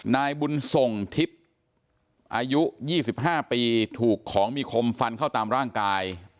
นายบุญส่งทิพย์อายุ๒๕ปีถูกของมีคมฟันเข้าตามร่างกาย